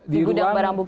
di gudang barang bukti